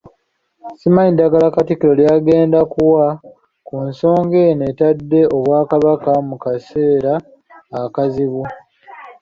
Simanyi ddagala Katikkiro ly'agenda kuwa ku nsonga eno etadde Obwakabaka mu kaseera akazibu.